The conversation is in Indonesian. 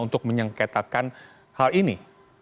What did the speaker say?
untuk menyengketakan hal ini